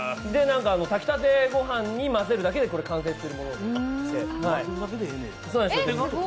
炊きたて御飯に混ぜるだけで完成するものです。